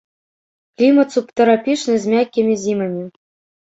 Клімат субтрапічны з мяккімі зімамі.